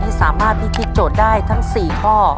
สามารถพิธีโจทย์ได้ทั้ง๔ข้อ